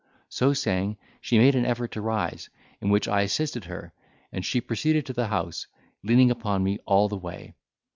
So saying she made an effort to rise, in which I assisted her, and she proceeded to the house, leaning upon me all the way.